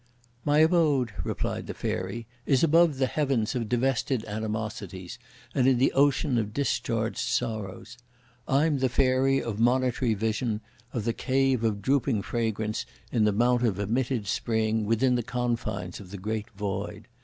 "My abode," replied the Fairy, "is above the Heavens of Divested Animosities, and in the ocean of Discharged Sorrows. I'm the Fairy of Monitory Vision, of the cave of Drooping Fragrance, in the mount of Emitted Spring, within the confines of the Great Void.